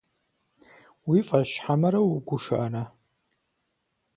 Уи фӏэщ хьэмэрэ угушыӏэрэ?